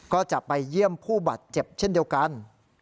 ก็จะไปเยี่ยมผู้บาดเจ็บเช่นเดียวกัน